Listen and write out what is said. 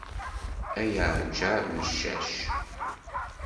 Ay aɛǧar n ccac.